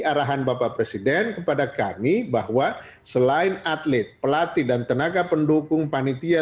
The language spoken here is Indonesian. arahan bapak presiden kepada kami bahwa selain atlet pelatih dan tenaga pendukung panitia